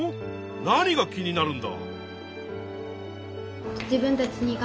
何が気になるんだ。